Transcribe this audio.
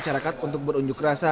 kondusivitas perusahaan transportasi